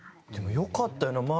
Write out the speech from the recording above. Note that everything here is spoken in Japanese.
でもよかったよな。